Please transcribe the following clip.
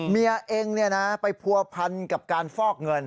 เมียเองไปผัวพันกับการฟอกเงิน